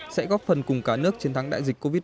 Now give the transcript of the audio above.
sẽ góp phần cùng cả nước chiến thắng đại dịch covid một mươi